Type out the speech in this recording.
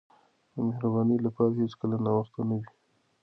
د مهربانۍ لپاره هیڅکله ناوخته نه وي.